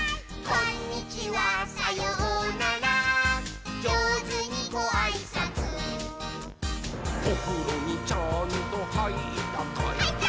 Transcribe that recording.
「こんにちはさようならじょうずにごあいさつ」「おふろにちゃんとはいったかい？」はいったー！